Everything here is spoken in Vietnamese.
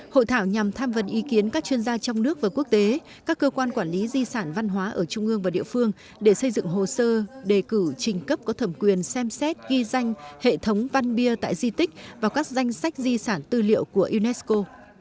hội thảo nhằm tham vấn ý kiến các chuyên gia trong nước và quốc tế các cơ quan quản lý di sản văn hóa ở trung ương và địa phương để xây dựng hồ sơ đề cử trình cấp có thẩm quyền xem xét ghi danh hệ thống văn bia tại di tích và các danh sách di sản tư liệu của unesco